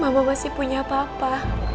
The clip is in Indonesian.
mama masih punya papa